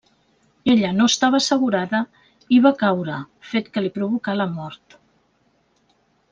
Ella no estava assegurada i va caure, fet que li provocà la mort.